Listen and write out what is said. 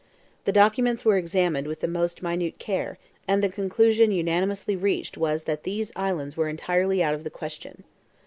The documents were examined with the most minute care, and the conclusion unanimously reached was that these islands were entirely out of the question.